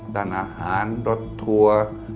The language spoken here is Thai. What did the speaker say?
ด้านอาหารรถทัวร์